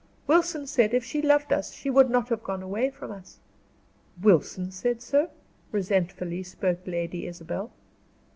Wilson said, if she loved us she would not have gone away from us." "Wilson said so?" resentfully spoke Lady Isabel.